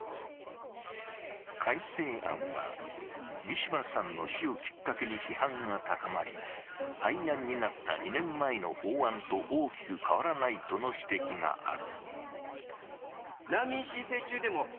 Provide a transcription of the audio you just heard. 改正案はウィシュマさんの死をきっかけに批判が高まり、廃案になった２年前の法案と大きく変わらないとの指摘がある。